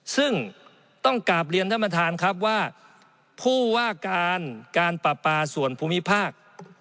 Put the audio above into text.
ซึ่งต้องกลับเรียนท่านประธานครับว่าผู้ว่าการการปราปาส่วนภูมิภาค